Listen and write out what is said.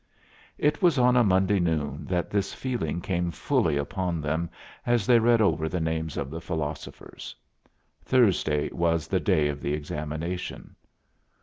It was on a Monday noon that this feeling came fully upon them, as they read over the names of the philosophers. Thursday was the day of the examination.